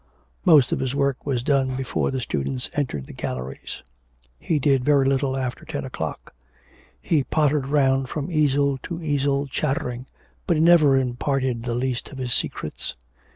Most of his work was done before the students entered the galleries; he did very little after ten o'clock; he pottered round from easel to easel chattering; but he never imparted the least of his secrets.